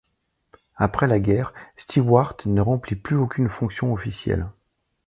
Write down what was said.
Après la guerre, Stewart ne remplit plus aucune fonction officielle.